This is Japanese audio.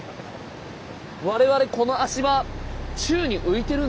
我々この足場宙に浮いてるんだよ。